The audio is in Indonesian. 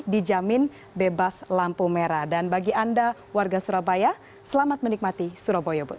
dijamin bebas lampu merah dan bagi anda warga surabaya selamat menikmati surabaya bus